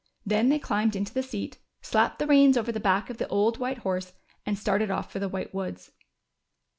Then they climbed into the seat, slapped the reins over the back of the old white horse, and started off for the White Woods.